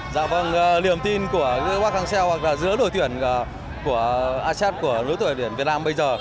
dạ vâng liềm tin của wacken shell hoặc là giữa đội tuyển của asean của đội tuyển việt nam bây giờ